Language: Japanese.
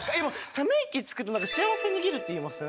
ため息つくと何か幸せ逃げるって言いません？